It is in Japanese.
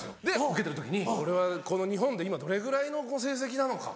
受けてる時に「俺はこの日本で今どれぐらいの成績なのか？